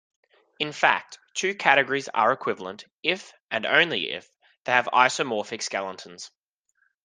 In fact, two categories are equivalent if and only if they have isomorphic skeletons.